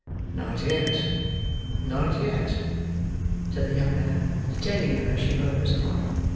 "Not yet, not yet," said the young man, detaining her as she rose.